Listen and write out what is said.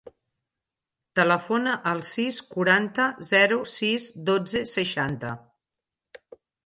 Telefona al sis, quaranta, zero, sis, dotze, seixanta.